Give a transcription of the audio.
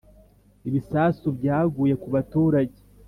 ibisasu byaguye ku baturage